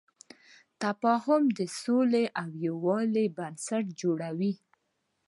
تفاهم د سولې او یووالي بنسټ جوړوي.